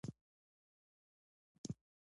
په افغانستان کې د اوږده غرونه منابع شته.